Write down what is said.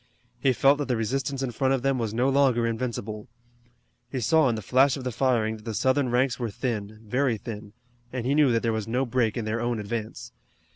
He felt that the resistance in front of them was no longer invincible. He saw in the flash of the firing that the Southern ranks were thin, very thin, and he knew that there was no break in their own advance.